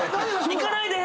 行かないで！